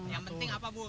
yang penting apa bu